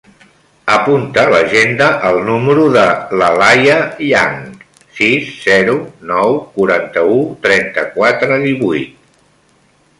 Apunta a l'agenda el número de l'Alaia Yang: sis, zero, nou, quaranta-u, trenta-quatre, divuit.